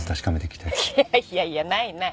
いやいやいやないない。